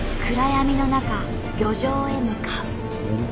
暗闇の中漁場へ向かう。